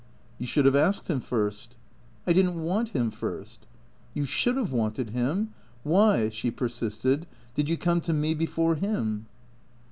" You should have asked him first." " I did n't want him first." "You should have wanted him. Why" (she persisted), " did you come to me before him